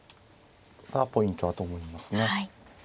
それがポイントだと思いますね。